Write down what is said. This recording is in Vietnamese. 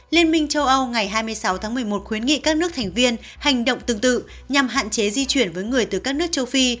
liên minh châu âu ngày hai mươi sáu tháng một mươi một khuyến nghị các nước thành viên hành động tương tự nhằm hạn chế di chuyển với người từ các nước châu phi